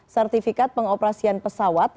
sertifikat pengoperasian pesawat